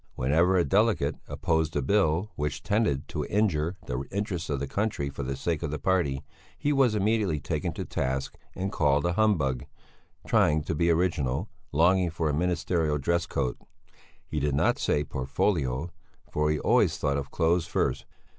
Whenever a delegate opposed a Bill which tended to injure the interests of the country for the sake of the party, he was immediately taken to task and called a humbug, trying to be original, longing for a ministerial dress coat; he did not say portfolio, for he always thought of clothes first.